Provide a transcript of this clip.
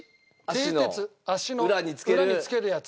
足の裏につけるやつ。